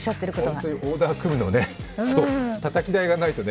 本当にオーダー組むのね、たたき台がないとね。